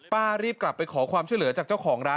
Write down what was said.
รีบกลับไปขอความช่วยเหลือจากเจ้าของร้าน